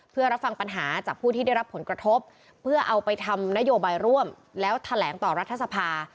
เพื่อรับฟังปัญหาจากผู้ที่ได้รับผลกระทบเพื่อเอาไปทำนโยบายร่วมแล้วแถลงต่อรัฐสภา